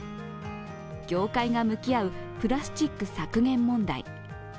業界が向き合うプラスチック削減問題。